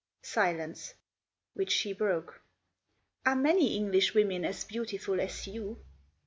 Silence ; which she broke. " Are many Englishwomen as beautiful as you